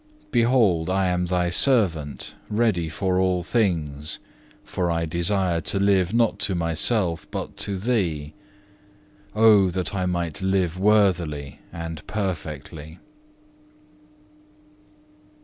Behold, I am Thy servant, ready for all things; for I desire to live not to myself but to Thee. Oh, that I might live worthily and perfectly.